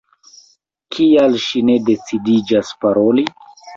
Kial ŝi ne decidiĝas paroli?